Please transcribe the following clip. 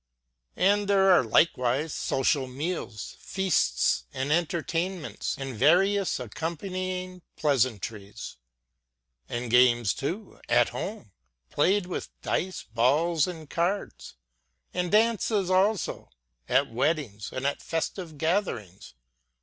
And there are likewise social meals, feasts, and entertainments, and various accompanying pleasantries. And games too, at home, played with dice, balls, and cards ; and dances also, at weddings, and at festive gatherings.